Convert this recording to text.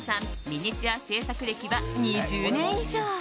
ミニチュア制作歴は２０年以上。